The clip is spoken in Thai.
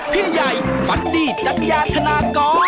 พี่ใหญ่ฝันดีจัญญาธนากร